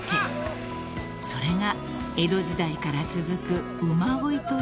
［それが江戸時代から続く馬追いという行事です］